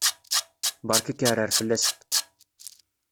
Berka akaɛrer fell-asen!